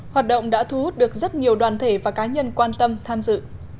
hoạt động đã thu hút được rất nhiều đoàn thể và cá nhân quan tâm tham dự